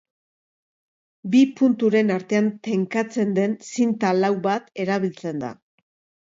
Bi punturen artean tenkatzen den zinta lau bat erabiltzen da.